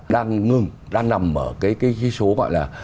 đang ngừng đang nằm ở cái số gọi là